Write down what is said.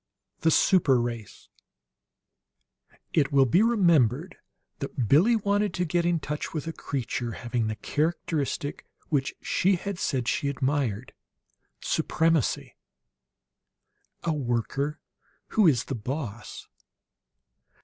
V THE SUPER RACE It will be remembered that Billie wanted to get in touch with a creature having the characteristic which she had said she admired: supremacy "A worker who is the boss!"